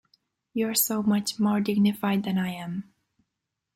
You’re so much more dignified than I am.